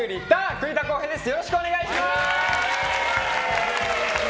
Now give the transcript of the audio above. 栗田航兵です！